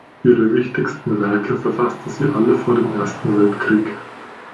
Ihre wichtigsten Werke verfasste sie alle vor dem Ersten Weltkrieg.